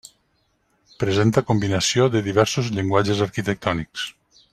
Presenta combinació de diversos llenguatges arquitectònics.